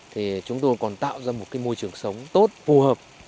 thì chúng tôi còn tạo ra một môi trường sống tốt phù hợp